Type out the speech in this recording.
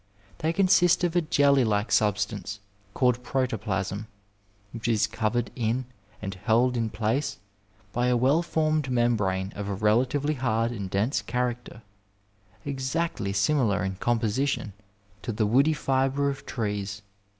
They consist of a jelly like substance called protoplasm, which is covered in and held in place by a well formed membrane of a rela tively hard and dense character, exactly similar in com position to the woody fibie of trees.